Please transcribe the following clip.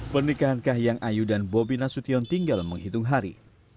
pernikahan kahiyang ayu dan bobi nasution tinggal menghitung hari